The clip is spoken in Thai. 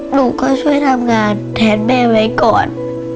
หนูก็ช่วยทำงานแทนแม่ไว้ก่อน